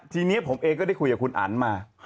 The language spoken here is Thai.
ทีนี้ผมเองก็ได้คุยกับคุณอันมา